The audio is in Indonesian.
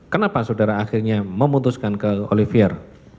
kenapa saudara akhirnya memutuskan ke olivier